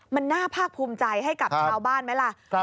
มันน่าภาคภูมิใจให้กับชาวบ้านไหมล่ะแด็กซ์ครับ